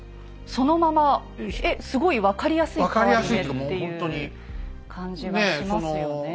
そのままえっすごい分かりやすい変わり目っていう感じがしますよね。